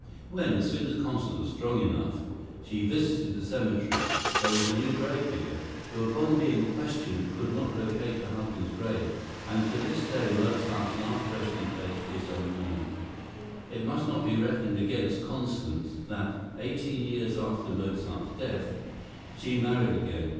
When, as soon as Constance was strong enough, she visited the cemetery there was a new grave digger, who upon being questioned could not locate her husband's grave, and to this day Mozart's last resting place is unknown. It must not be reckoned against Constance that, eighteen years after Mozart's death, she married again.